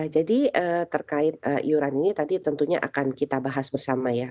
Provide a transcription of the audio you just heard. jadi terkait iuran ini tadi tentunya akan kita bahas bersama ya